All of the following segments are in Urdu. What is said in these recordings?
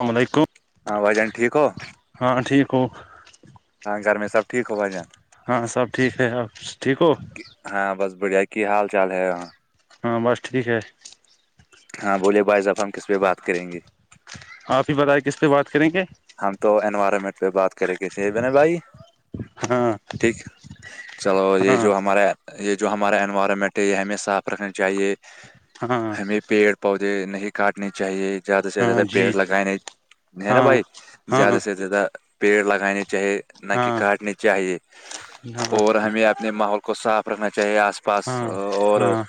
السلام علیکم ہاں بھائی جان ٹھیک ہو ہاں ٹھیک ہو ہاں گھر میں ٹھیک ہو بھائی جان ہاں سب ٹھیک ہے اور ٹھیک ہو ہاں بس بڑھیا کی حال چال ہے ہاں ہاں بس ٹھیک ہے ہاں بوولے بائی ص اب ہم کس پہ بات کریں گے آپ ہی بتائے کس پہ بات کریں گے ہم تو انوائرمنٹ پہ بات کریں گ تھے بن بھائی ہاں ٹھیک چلو یہ ہاں جو ہمارے یہ جو ہمارا انوائرمنٹ ہے یہ ہمیں صاف رکھنا چاہیے ہاں ہمیں پیڑ پودے نہیں کاٹنے چاہیے زیادہ سے ہاں زیادہ پیڑ جی لگائےے ہے نا ہاں بھائی ہاں زیادہ سے زیادہ پیڑ لگانے چاہیے نہ کہ ہاں کاٹنے چاہیے ہاں اور ہمیں اپنے ماحول کو صاف رکھنا چاہیے آس پاس ہاں اور ہاں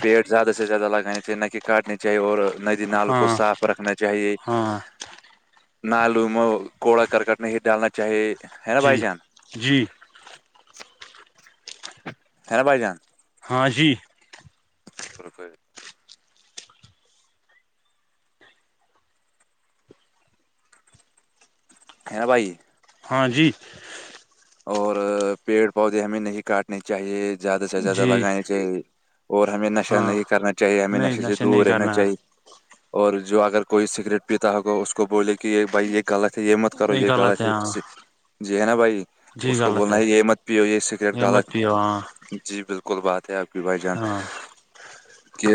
پیٹ زیادہ سے زیادہ لگانانی چاہیے نہ کہ کاٹنی چاہے اور ندی نال کو ہاں صاف رکھنا چاہیے ہاں نال میں کوڑا کرکٹ نہیں ڈالنا چاہیے ہے نا جی بھائی جان جی ہا بھائی جان ہاں جی ف ہے نا بھائی ہاں جی اور پیڑ پودے ہمیں نہیں کاٹنے چاہیے زیادہ سے زیادہ جی لگانے چاہیے اور ہمیں نشہ ہاں نہیں کرنا چاہیے ہمیں نہیں نشے سے نہیں دور رہنا کرنا چاہیے اور جو اگر کوئی سگریٹ پیتا ہوگا اس کو بولے کہ یہ بھائی یہ غلط ہے یہ مت کرو یہ غلط ہے جی ہے نا بھائی جی اس کو غلط بولنا ہے یہ مت پیو یہ سگریٹ یہ مت غالت پیو ہاں جی بالکل بات ہے آپ کی بھائی جان ہاں کہ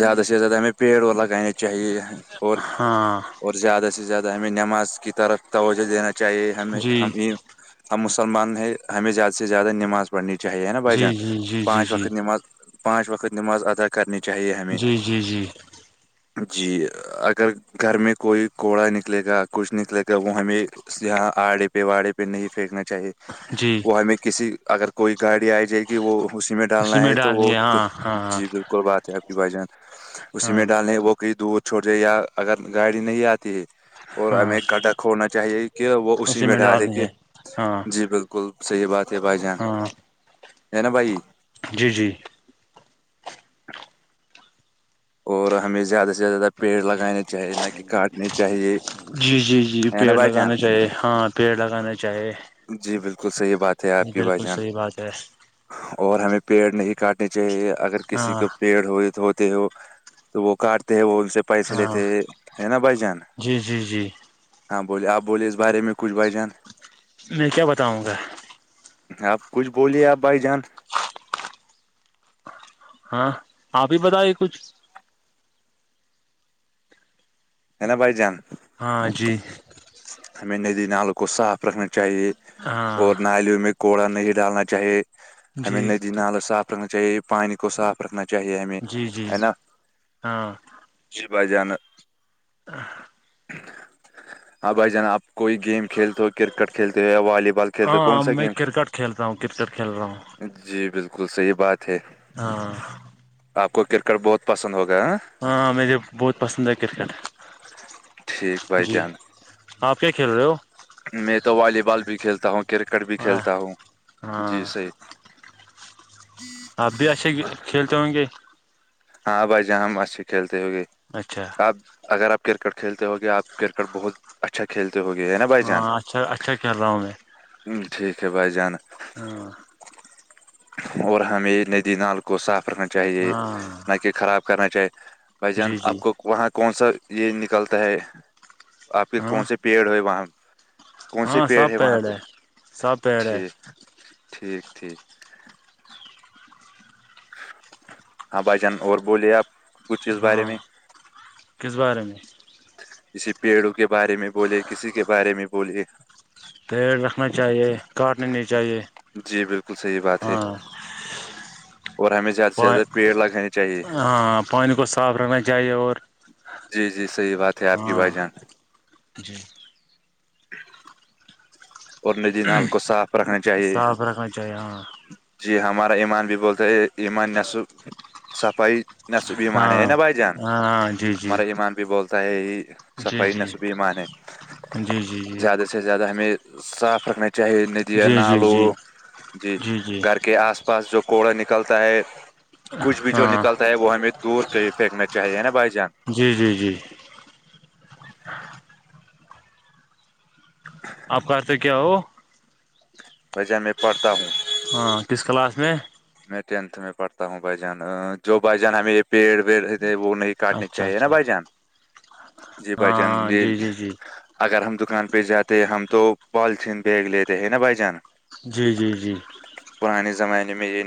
زیادہ سے زیادہ ہمیں پیڑ و لگانے چاہیے اور ہاں اور زیادہ سے زیادہ ہمیں نماز کی طرف توجہ دینا چاہیے ہمیں جی ہمیں ہم مسلمان ہیں ہمیں زیادہ سے زیادہ نماز پڑھنی چاہیے ہے نا بھائی جی جان جی جی جی پانچ وقت جی نماز پانچ وقت نماز ادا کرنی چاہیے ہمیں جی جی جی جی اگر گھر میں کوئی کوڑا نکلے گا کچھ نکلے گا وہ ہمیں یہاں آڑے پہ واڑے پہ نہیں پھینکنا چاہیے جی ہم کسی اگر کوئی گاڑی آ جائے گی وہ اسی میں ڈالنا ہے تو وہ جی بالکل بات ہے آپ کی بھ جان ہاں اسی میں ڈالنے وہکئی دودھ چھوٹ جائے یا اگر گاڑی نہیں آتی ہے ہاں اور ہاں ہمیں کٹا کھوڑنا چاہیے کہ وہ اسی میں ڈالے ڈالنی کے ہے ہاں جی بالکل صحیح بات ہے بھائی جان ہاں ہے نا بھائی جی جی اور ہمیں زیادہ سے زیادہ پیڑ لگانے چاہیے نہ کہ کاٹنے چاہیے جی جی جی ہے نا پیڑ بھائی لگانا چاہیے جان ہاں پیڑ لگانا چاہیے جی بالکل صحیح بات ہے آپ یہ کی بھائی بالکل جان صحیح بات ہے اور ہمیں پیڑ نہیں کاٹنے چاہیے اگر کسی ہاں کو پیڑ ہو دھوتے ہو تو وہ کاٹتے ہیں وہ ان سے پیسے ہاں لیتے ہے نا بھائی جان جی جی جی ہاں بولے آپ بولے اس بارے میں کچھ بجن میں کیا بتاؤں گا آپ کچھ بولیے آپ بھائی جان ہاں آپ ہی بتائیے کچھ بائی جان ہاں جی ہمیں ندی نالوں کو صاف رکھنا چاہیے ہاں اور نالیوں میں کوڑا نہیں ڈالنا چاہیے ہمیں جی ندی نالے صاف رکھنا چاہیے پانی کو صاف پکھنا چاہیے ہمیں جی جی ہے نا ہاں جی با جانا ہ ہاں بھائی جان آپ کوئی گیم کھیلتے ہو کرکٹ کھیلتے ہو یا والی بال کھیلتے ہو کون ہاں سا میں گیم کرکٹ کھیلتا ہوں کرکٹ کھیل رہا ہوں جی بالکل صحیح بات ہے ہاں آپ کو کرکٹ بہت پسند ہوگیا ہ ہاں مجے بہت پسند ہے کرکٹ ٹھیک بائی جی جانس آپ کیا کھیل رہے ہو میں تو والی بال بھی کھیلتا ہوں کرکٹ بھی ہاں کھیلتا ہوں ہاں جی صحیح آپب اھھی کلتے ووں گ ہاں بھائی جہاں ہم اچھے کھیلتے ہو گے اچھا آپ اگر آپ کرکٹ کھیلتے ہو گے آپ کرکٹ بہت اچھا کھیلتے ہو گئے ہے نا بھائی جان ہاں اچھا اچھا کھیل رہا ہوں میں ہ ٹھیک ہے بھائی جان ہاں اور ہمیں ندی نال کو صاف رکھنا چاہیے ہاں نہ کہ خراب کرنا چاہی بھائی جان جی جی آپ کو وہاں کون سا یہ نکلتا ہے آپ کے ہاں کون سے پیڑ ہو وہاں کون سے پیڑ ہے وہاں پہ سب پیڑ ہے ٹھیک ٹھیک ٹھیک ہاں بھائی جان اور بولیے آپ کچھ اس بارے ہاں میں کس بارے میں کسی پیڑوں کے بارے میں بولے کسی کے بارے میں بولے پیڑ رکھنا چاہیے کاٹنا نہیں چاہیے جی بالکل صحیح بات ہے ہاں اور ہمیں زیادہ پا سے زیادہ پیڑ لگانے چاہیے ہاں پانی کو صاف رکھنا چاہیے اور جی جی صحیح بات ہے آپ کی ہاں بھائی جان جی اور نجی ن کو صاف رکھنے چاہیے صاف رکھنا چاہیے ہاں جی ہمارا ایمان بھی بولتے ہے ایمان نہ س صفائی ن سب ایمان ہے نا بھائی جان ہاں ہاں جی جی ہمارا ایمان بھی بولتا ہے ہی جی صفائی جی نصوب ایمان ہے جی جی جی زیادہ سے زیادہ ہمیں صاف رکھنا چاہے جی ن لو جی جی جی گھر کے آس پاس جو کوڑا نکلتا ہے کچھ بھی جو ہاں نکلتا ہے وہ ہمیں دور کہ ہی پھینکنا چاہیے نا بھائی جان جی جی جی آپ کہار سے کیا ہو وجہ میں پڑھتا ہوں ہاں کس کلاس میں میں ٹینتھ میں پڑھتا ہوں بھ جان جو بھ جان ہمیں پیڑ وڑ وہ نہیں کاٹنی اچھا چاہیے نا اچھا بجن جی بجن جی اگر ہم دکان پہ جاتے ہم تو پالیتھیین بیگ لیتے ہیں نا بھائی جان جی جی جی پرانے زمانے میں یہ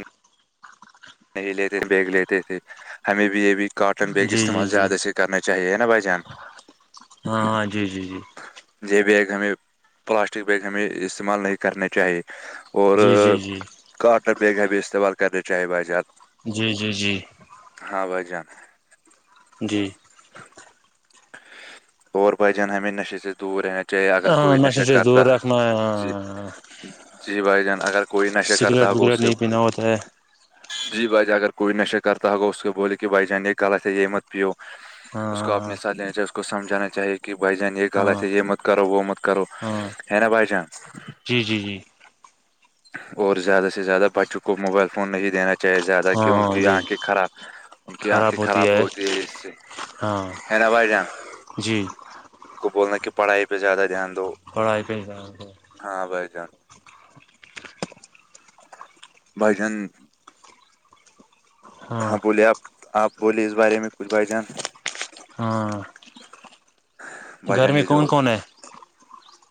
نہیں لیتے بیگ لیتے تھے ہمیں بھی یہبھی کاٹن بیگ جی جی استعمال جی زیادہ سے کرنا چاہیے نا بھائی جان ہاں ہاں جی جی جی یہ بیگ ہمیں پلاسٹک بیگ ہمیں استعمال نہیں کرنے چاہیے اور جی جی جی جی کاٹر بیگ ہے بھی استعمال کرنے چاہیں بھائی زیادہ جی جی جی ہاں بائی جان ہے جی اور بھائی جان ہمیں نشے سے دور رہنا چاہیے اگر ہاں کوئی نشے نشہ سے کرتا دور رکھنا ہے، جی ہاں جی بھائی جان اگر کوئی نشے کرتا سگریٹ ہوگا اس وگریٹ کے نہیں پینا ہوتا ہے جی بھائی جان اگر کوئی نشہ کرتا ہوگا اس کو بولے کہ بھائی جان یہ غط ہے یہ مت پیو ہاں ینا چاہے اس کو سمھانا چاہیے کہ بھائی جان یہ ہاں غط ہے یہ مت کرو وہ مت کرو ہاں ہے نا بائی چانس جی جی جی اور زیادہ سے زیادہ بچوں کو موبائل فون نہیں دینا زیادہ ہاں کہ ان ہاں کی جی آنکھیں خراب ان کی آنکھیں خراب ہوتی ہے اس سے ہاں ہے نا بھائی جان جی ان کو بولنا کہ پڑھائی پہ زیادہ دھیان دو پڑھائی پ ج ہاں بائی جان بجن ہاں بوولے آپ آپ بولے اس بارے میں کچھ بھ جان ہاں بھائی گھر جان میں یہ جو کون کون ہے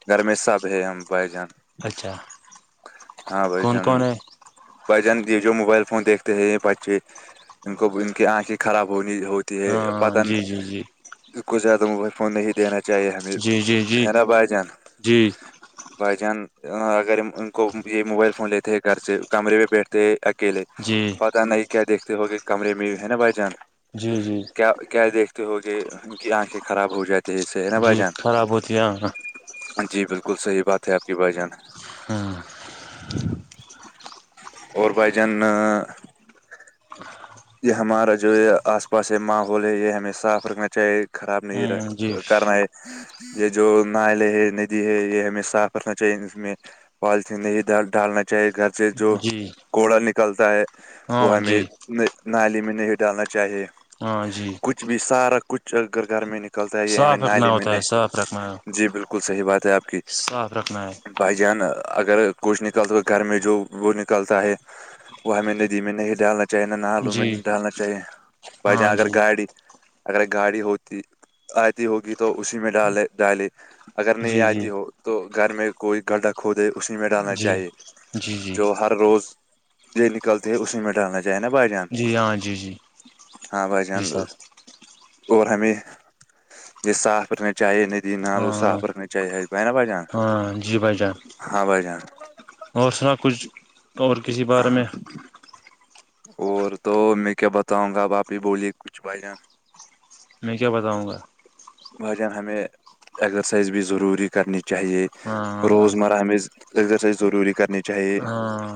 گھر میں سب ہے ہم بھائی جان اچھا ہاں بھائی کون جن کون ہے بھجن یہ جو موبائل فون دیکھتے ہیں بچے ان کو ان کی آنکھیں خراب ہونی ہوتی ت پت ہاں جی جی جی کوو زیاد موبائل فون ہی دینا چاہیے ہمیں جی جی جی حیرا بھائی جان جی بائی چان اگر ان کو یہ موبائل فون لیتے ہیں گھر سے کمرے پہ بیٹھتے ہیں اکیلے جی پتا نہیں کیا دیکھتے ہو گئے کمرے میں ہے نا بھائی جان جی جی کیا کیا دیکھتے ہو گے ان کی آنکھیں خراب ہو جاتی ہے اس سے ہے نا بھائی جی جان خراب ہوتی ہے نا جی بالکل صحیح بات ہے آپ کی بھائی جان ہوں [inaudible] یہ ہمارا جو آس پاس ماحول ہے یہ ہمیں صاف رکھنا چاہیے خراب نہیں ہاں جی کرنا ہے یہ جو نالے ہے ندی ہے یہ ہمیں صاف رکھنا چاہیے اس میں پالتین نہیں ڈالنا چاہیے گھر سے جو جی کوڑا نکلتا ہے ہاں وہ جی ہمیں نالی میں نہیں ڈالنا چاہیے ہاں جی کچھ بھی سارا کچھ اگر گرمی نک کلتا ہے یہ ہم صاف رکھنا نی میں ہوتا نے ہے صاف رکھنا ہے جی بالکل صحیح بات ہے آپ کی صاف رکھنا ہے بھائی جان اگر کچھ نکل تو گھر میں جو وہ نکلتا ہے وہ ہمیں ندی میں نہیں ڈالنا چاہیے نہ نالوں میں جی نہیں ڈالنا چاہیے بائی جہاں ہاں اگر جی گاڑی اگر گاڑی ہوتی آتی ہوگی تو اسی میں ڈالے ڈالے اگر نہیں جی جی آتی ہو تو گھر میں کوئی گڈا کھو دے اسی میں ڈالنا جی چاہیے جی جی جو ہر روز یہ نکلتے ہے اسی میں ڈالنا چائے نا بھائی جان جی ہاں جی جی ہاں بھائی جی جان سر اور ہمیں یہ صاف رنے چاہ ندی نالو ہاں صاف رکھن چاہے ب نا بائی جان ہاں جی بھائی جان ہاں بائی جان اور سنا کچھ اور کسی بارے میں اور تو میں کیا بتاؤں گا اب آپ ہی بولیے کچھ بھائی جان میں کیا بتاؤں گا بھجان ہمیں ایگزرسائز بھی ضروری کرنی چاہیے ہاں ہاں روزمرہ ہمیں اسرسائز ضرور کرنی چاہیے ہاں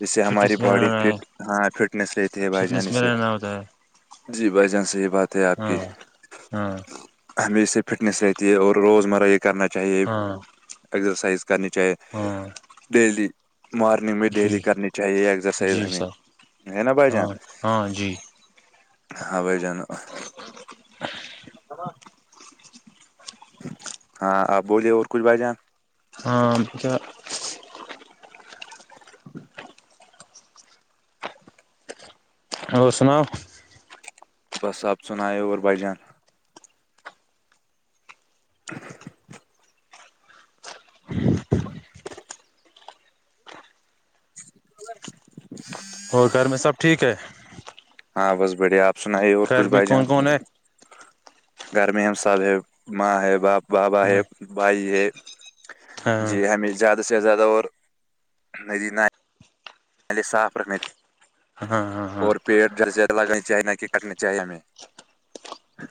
اس سے ہماری فٹنس میں باڈی رہنا ہے فٹ ہاں فٹنیس رہتی ہے بھائی جان فٹنس اس میں سے رہنا ہوتا ہے جی بھائی جان سےیح بات ہے ہاں ہوں ہمیشہ فٹنیس رہتی ہے اور روزمرہ یہ کرنا چاہیے ہاں ایگزرسائز کرنی چاہیے ہاں دیلی [unintelligible] مارننگ میں جی ڈیلی کرنی چاہیے ایکزرسائز جی ہمیں سر ہے نا بھائی جان ہاں ہاں جی ہ بائی جانا ہ [unintelligible] [inaudible] ہاں آپ بولیے اور کچھ بھائی جان ہاں جو اور سناؤ بس آب سن آے اور بجان [unintelligible] [inaudible] ا [unintelligible] [inaudible] اور گھر میں سب ٹھیک ہے ہاں بس بڑھیا آپ سنائیے اور گھر کچھ میں بھائی جان کون کون ہے گھر میں ہم سب ہے ماں ہے باپ بابا ہے ہاں بھائی ہے جی ہاں ہممی [unintelligible] زیادہ سے زیادہ اور ندی نے صاف رکھنے ہاں ہاں اور پیڑ جیسے لگ چاہے نہ کہ کٹنے چاہیے ہمیں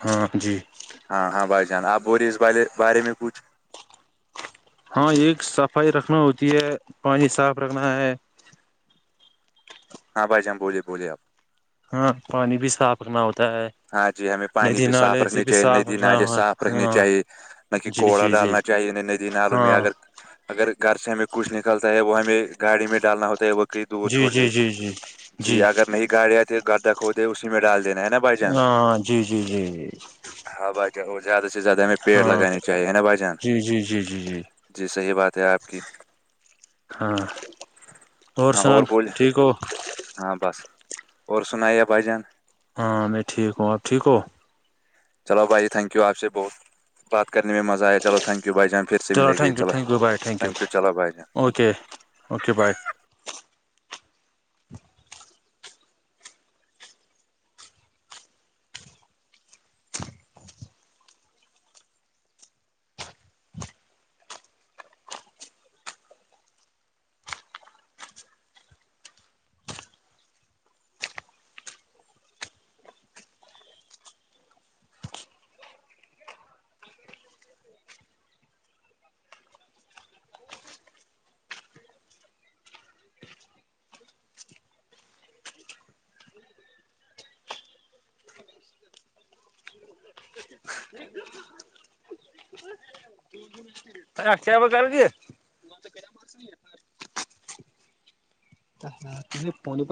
ہاں جی ہاں ہاں بھائی جان آپ ب رہے اس بے بارے میں کچھ ہاں ایک صفائی رکھنا ہوتی ہے پانی صاف رکھنا ہے ہاں بھائی جان بولے بوللیےپ ہاں پانی بھی صاف رکھنا ہوتا ہے ہاں جی ہمیں پانی ندی بھی صاف نالے سے رکھنی بھی چاہیے صاف ندی رکھنا نالے ہوا صاف رکھنے ہاں چاہیے نہ کہ جی کوڑا جی جی ڈالنا چاہیےیں ندی نالوں میں ہاں اگر اگر گھر سے ہمیں کچھ نکلتا ہے وہ ہمیں گاڑی میں ڈالنا ہوتا ہے وہ کہ دور جی چھوڑ دے جی جی جی جی اگر نہیں گاڑی آ تو گردہ کھ دے اسی میں ڈال دینا ہے نا بھائی جان ہاں جی جی جیی ہاں بھائی جان اور زیادہ سے زیادہ ہمیں پیڑ ہاں لگانے چاہیے نا بھائی جان جی جی جی جی جی صحیح بات ہے آپ کی ہاں اور ہاں سنا بول ٹھیک ہو ہاں بس اور سناائی ہے بھائی جان ہاں میں ٹھیک ہوں آپ ٹھیک ہو چلو بھائی تھینک ی آپ سے بہت بات کرنے میں مزہ آیا چلو تھینکیو بھائی ج ہم پھر سے چلو ملے گی thank you thank you bye thank you چلو بھائی جان اوکے اوکے بائے ج [inaudible] اھ آپ کر دیی پ [unintelligible]